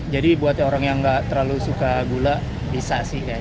jadi buat orang yang gak terlalu suka gula bisa sih kayaknya